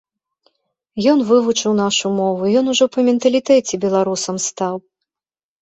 Ён вывучыў нашу мову, ён ужо па менталітэце беларусам стаў.